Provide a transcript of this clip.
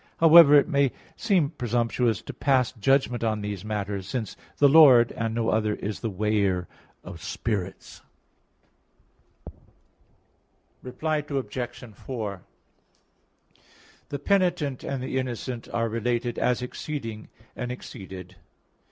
However, it may seem presumptuous to pass judgment on these matters; since "the Lord" and no other "is the weigher of spirits" (Prov. 16:2). Reply Obj. 4: The penitent and the innocent are related as exceeding and exceeded.